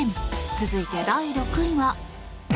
続いて、第６位は。